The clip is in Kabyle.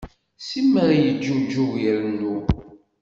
Simal yeǧǧuǧug irennu.